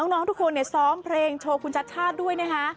น้องทุกคนเนี่ยซ้อมเพลงโชว์คุณชัดชาติด้วยนะคะ